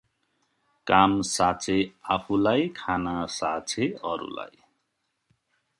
काम साछे आफु लाई, खाना साछे अरुलाई